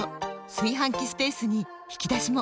炊飯器スペースに引き出しも！